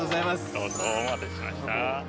どうぞお待たせしました。